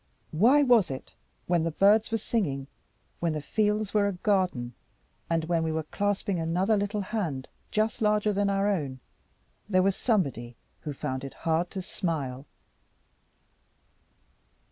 Why was it, when the birds were singing, when the fields were a garden, and when we were clasping another little hand just larger than our own, there was somebody who found it hard to smile?